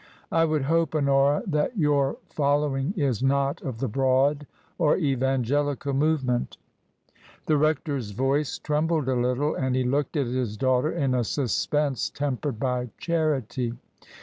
I would hope, Honora, that your following is not of the Broad or Evangelical movement." I 22 TRANSITION. The rector's voice trembled a little, and he looked at his daughter in a suspense tempered by charity.